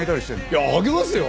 いやあげますよ。